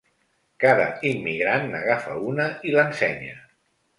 Cada immigrant n'agafa una i l'ensenya.